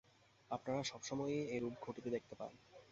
আপনারা সব সময়েই এইরূপ ঘটিতে দেখিতে পান।